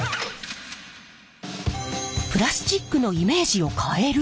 プラスチックのイメージを変える？